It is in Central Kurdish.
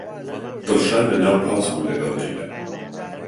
دڵشاد لەناو پاس بوو لەگەڵ لەیلا.